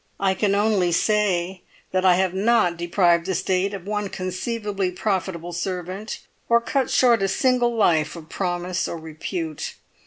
I can only say that I have not deprived the State of one conceivably profitable servant, or cut short a single life of promise or repute.